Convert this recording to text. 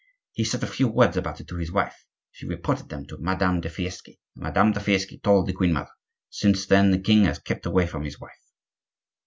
He said a few words about it to his wife; she repeated them to Madame de Fiesque, and Madame de Fiesque told the queen mother. Since then the king has kept away from his wife."